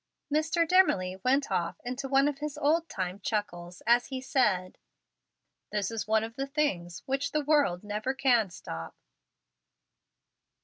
Mr. Dimmerly went off into one of his old time chuckles, as he said, "This is one of the things which the world never can 'stop.'"